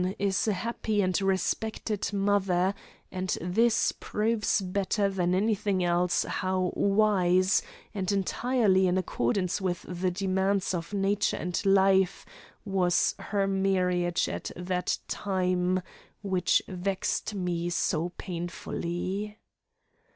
is a happy and respected mother, and this proves better than anything else how wise and entirely in accordance with the demands of nature and life was her marriage at that time, which vexed me so painfully.